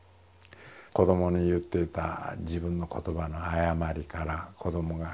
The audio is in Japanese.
子どもに言っていた自分の言葉の誤りから子どもが死ぬ。